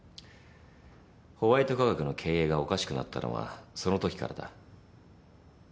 ホワイト化学の経営がおかしくなったのはそのときからだ。